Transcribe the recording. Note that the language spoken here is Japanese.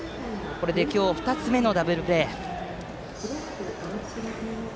今日２つ目のダブルプレー。